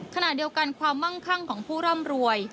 ขณะเดียวกันความมั่งคั่งของผู้ร่ำรวย